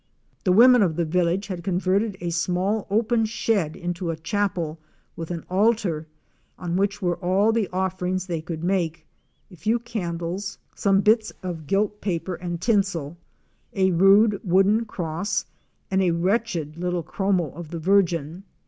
The women of the village had converted a small open shed into a chapel, with an altar, on which were all the offerings they could make, a few candles, some bits of gilt paper and tinsel, a rude wooden cross and a wretched little chromo of the Virgin.